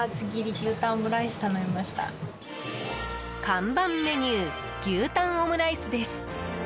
看板メニュー牛タンオムライスです。